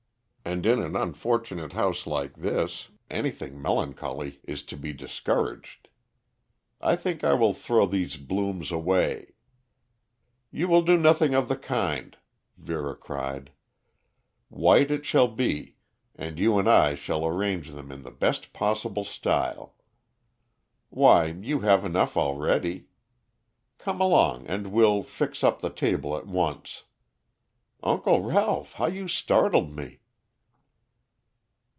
And in an unfortunate house like this anything melancholy is to be discouraged. I think I will throw these blooms away " "You will do nothing of the kind," Vera cried. "White it shall be, and you and I shall arrange them in the best possible style. Why, you have enough already. Come along and we'll 'fix' up the table at once. Uncle Ralph, how you startled me."